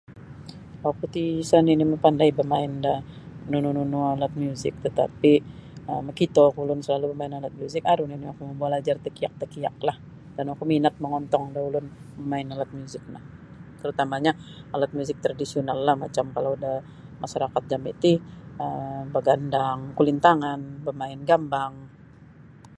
Oku ti sa nini mapandai bamain da nunu nunu alat-alat miuzik tatapi um makitoku ulun salalu bamain alat miuzik aru nini oku balajar takiak-takiaklah dan oku minat mongontong da ulun bamain alat miuzik no tarutamanyo alat miuzik tradisionallah macam kalau da masarakat jami ti macam bagandang kulintangan bamain gambang .